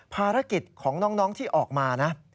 ภารกิจของน้องที่ออกมานะ